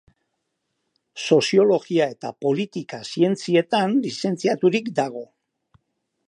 Soziologia eta politika-zientzietan lizentziaturik dago.